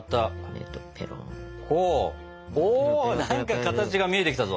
お何か形が見えてきたぞ！